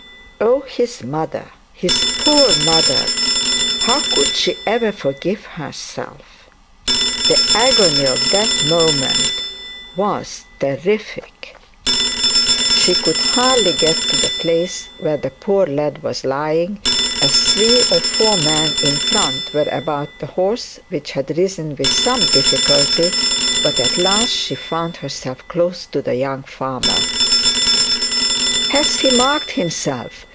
Oh, his mother his poor mother! how could she ever forgive herself. The agony of that moment was terrific. She could hardly get to the place where the poor lad was lying, as three or four men in front were about the horse which had risen with some difficulty; but at last she found herself close to the young farmer. 'Has he marked himself?